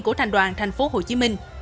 của thành đoàn thành phố hồ chí minh